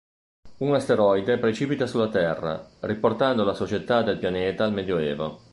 Un asteroide precipita sulla Terra, riportando la società del pianeta al medioevo.